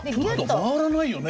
回らないよね。